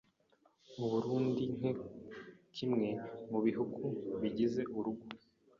U Burunndi nke kimwe mu bihugu bigize Urugo